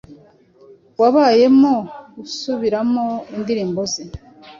wabayemo gusubiramo indirimbo ze